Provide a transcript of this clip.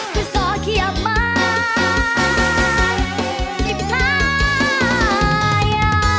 ผู้สอขี้อาบมายกติดพาย